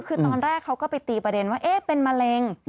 คือตอนแรกเขาก็ไปตีประเด็นว่าเป็นมะเร็ง